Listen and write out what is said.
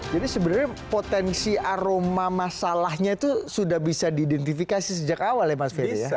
jadi sebenarnya potensi aroma masalahnya itu sudah bisa diidentifikasi sejak awal ya mas fede